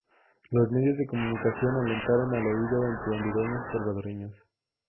Los medios de comunicación alentaron el odio entre hondureños y salvadoreños.